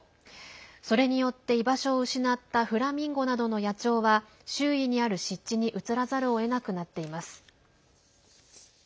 それによって居場所を失ったフラミンゴなどの野鳥は周囲にある湿地に移らざるをえなくなっています。